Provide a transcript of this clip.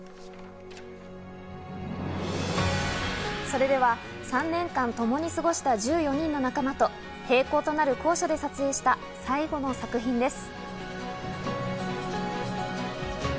それでは３年間ともに過ごした１４人の仲間と閉校となる校舎で撮影した最後の作品です。